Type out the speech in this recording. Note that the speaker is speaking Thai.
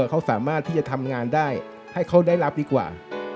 เขาสามารถที่จะทำงานได้ให้เขาได้รับดีกว่า